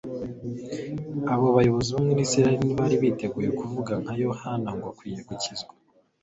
Abo bayobozi bo mw’Isiraheli ntibari biteguye kuvuga nka Yohana ngo, “Akwiriye gukuzwa,